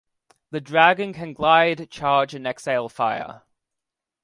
The dragon can glide, charge and exhale fire.